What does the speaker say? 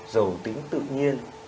dầu tính tự nhiên